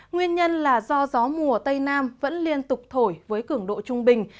nguyên nhân là do gió mùa tây nam vẫn liên tục thổi với cứng độ trung bình